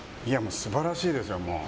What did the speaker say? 素晴らしいですよ、もう。